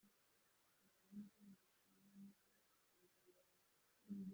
yaciweciwe ihazabu ikubye inshuro eshanu z amafaranga